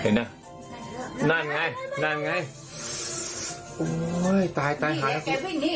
เห็นไหมนั่นไงนั่นไงโอ้ยตายตายตายนี่แกวิ่งนี่แหละ